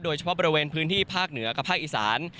โดยเฉพาะบริเวณพื้นที่ภาคเหนือกับภาคอีสาน